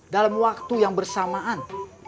dalam waktu yang bersamaan